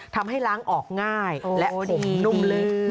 ทำให้ล้างออกง่ายและดินนุ่มลื่น